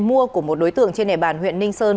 mua của một đối tượng trên đề bàn huyện ninh sơn